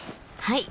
はい。